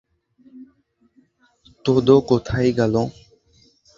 Todo কোথায় গেল?